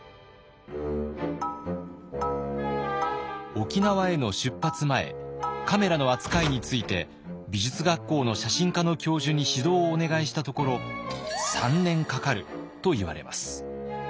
沖縄への出発前カメラの扱いについて美術学校の写真科の教授に指導をお願いしたところ「３年かかる」と言われます。